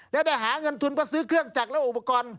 และได้หาเงินทุนเพื่อซื้อเครื่องจักรและอุปกรณ์